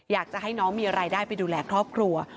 อยากจะให้น้องมีรายได้ไปดูแลครอบครัว